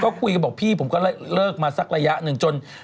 ก็คุยกันบอกพี่ผมก็เลิกมาสักระยะหนึ่งจน